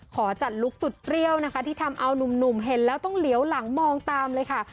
ขอจัดลุคสุดเปรี้ยวนะคะที่ทำเอานุ่มเห็นแล้วต้องเหลียวหลังมองตามเลยค่ะ